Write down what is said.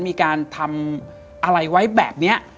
มีการทำอะไรไว้แบบนี้